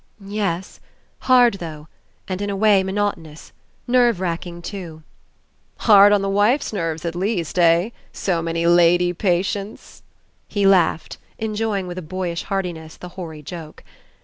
"Ye es. Hard, though. And, in a way, monotonous. Nerve racking too." "Hard on the wife's nerves at least, eh? So many lady patients." He laughed, en joying, with a boyish heartiness, the hoary joke.